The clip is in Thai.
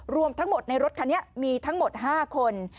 รวมทั้งหมดในรถคันนี้มีทั้งหมด๕คน